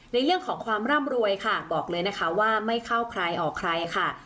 ในเรื่องของความร่ำรวยค่ะบอกเลยนะคะว่าไม่เข้าใครออกใครค่ะ